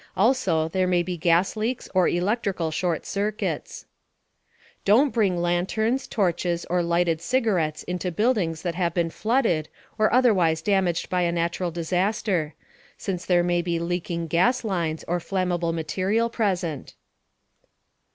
Also, there may be gas leaks or electrical short circuits. Don't bring lanterns, torches or lighted cigarettes into buildings that have been flooded or otherwise damaged by a natural disaster, since there may be leaking gas lines or flammable material present.